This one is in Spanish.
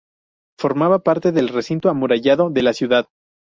Formaba parte del recinto amurallado de la ciudad.